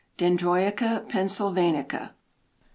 (_Dendroica pennsylvanica.